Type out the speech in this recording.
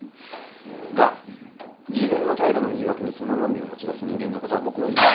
が自分の怠惰の言い訳にその論理を持ち出す人間のことは僕は許せ。